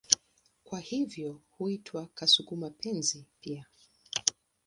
Kwa hivyo huitwa kasuku-mapenzi pia.